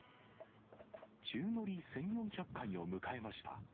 宙乗り１４００回を迎えました。